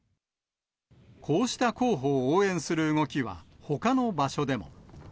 こうした候補を応援する動きはほかの場所でも。